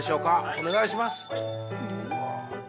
お願いします。